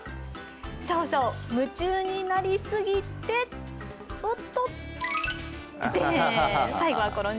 シャオシャオ、夢中になりすぎておっと、ずでーん。